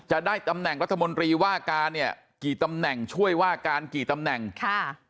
จะได้ตำแหน่งรัฐมนตรีว่าการเนี่ยกี่ตำแหน่งช่วยว่าการกี่ตำแหน่งค่ะ